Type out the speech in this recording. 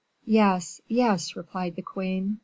"Yes, yes," replied the queen.